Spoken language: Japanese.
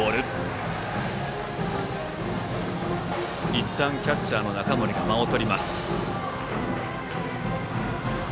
一旦、キャッチャーの中森が間をとります。